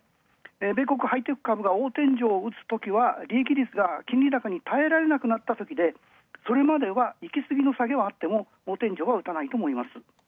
米国、ハイテク株が大天井をうつときは、利益率が金利高に耐えられなくなったときで、それまでは、いきすぎの下げはあっても大天井は打たないと思う。